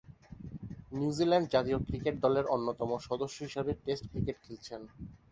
New Zealand জাতীয় cricket দলের অন্যতম সদস্য হিসেবে টেস্ট ক্রিকেট খেলছেন।